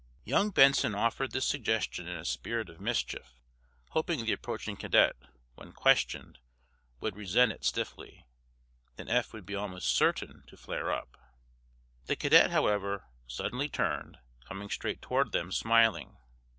Young Benson offered this suggestion in a spirit of mischief, hoping the approaching cadet, when questioned, would resent it stiffly. Then Eph would be almost certain to flare up. The cadet, however, suddenly turned, coming straight toward them, smiling.